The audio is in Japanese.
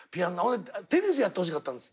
テニスやってほしかったんです。